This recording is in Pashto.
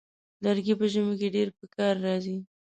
لرګی په ژمي کې ډېر پکار راځي.